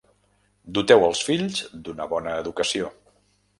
Doteu els fills d'una bona educació.